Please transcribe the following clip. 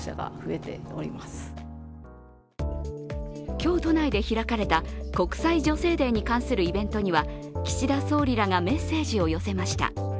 今日、都内で開かれた国際女性デーに関するイベントには岸田総理らがメッセージを寄せました。